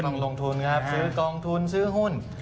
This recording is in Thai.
ลงทุนครับซื้อกองทุนซื้อหุ้น